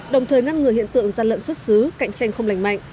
đồng thời ngăn ngừa hiện tượng gian lận xuất xứ cạnh tranh không lành mạnh